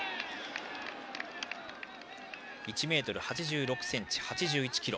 １ｍ８６ｃｍ、８６ｋｇ。